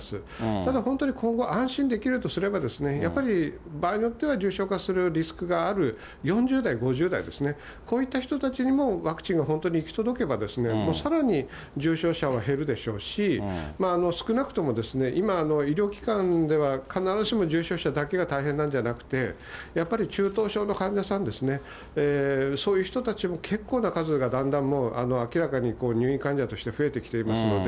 ただ、本当に今後、安心できるとすれば、やっぱり場合によっては重症化するリスクがある、４０代、５０代ですね、こういった人たちにもワクチンが本当に行き届けば、さらに重症者は減るでしょうし、少なくとも、今、医療機関では、必ずしも重症者だけが大変なんじゃなくて、やっぱり中等症の患者さんですね、そういう人たちも結構な数がだんだんもう、明らかに入院患者として増えてきていますので、